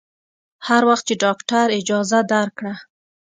هر وخت چې ډاکتر اجازه درکړه.